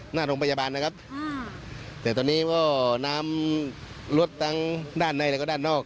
หน้าโรงพยาบาลนะครับแต่ตอนนี้ก็น้ำรถทั้งด้านในแล้วก็ด้านนอก